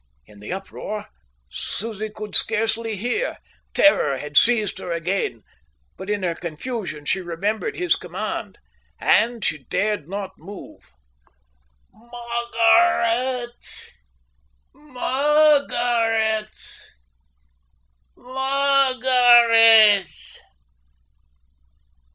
In the uproar Susie could scarcely hear. Terror had seized her again, but in her confusion she remembered his command, and she dared not move. "Margaret, Margaret, Margaret."